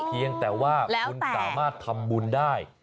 เพียงแต่ว่าคุณสามารถทำบุญได้